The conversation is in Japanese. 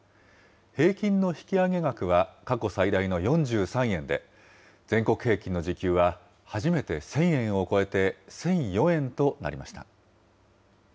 平均の引き上げ額は過去最大の４３円で、全国平均の時給は初めて１０００円を超えて、１００４円となりました。